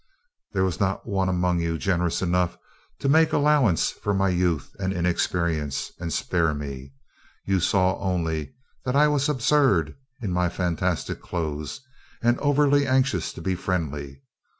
"There was not one among you generous enough to make allowance for my youth and inexperience, and spare me. You saw only that I was absurd in my fantastic clothes, and overly anxious to be friendly.